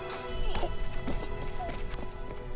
あっ。